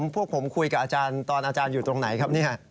พวกผมคุยกับอาจารย์ตอนอาจารย์อยู่ตรงไหนครับเนี่ย